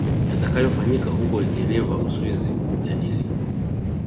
yatakayo fanyika huko geneva uswizi kujadili